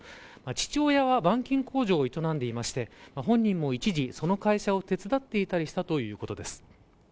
父親は板金工場を営んでいて本人も一時その会社を手伝っていたりしたということです。